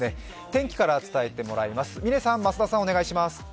天気から伝えてもらいます。